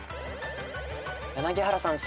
柳原さん